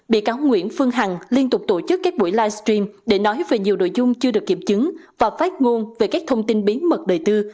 bị cáo nguyễn phương hằng liên tục tổ chức các buổi livestream để nói về nhiều nội dung chưa được kiểm chứng và phát ngôn về các thông tin bí mật đời tư